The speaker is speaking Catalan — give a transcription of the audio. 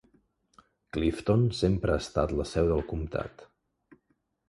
Clifton sempre ha estat la seu del comtat.